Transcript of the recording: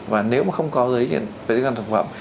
và nếu mà không có giới thiện về dân sản phẩm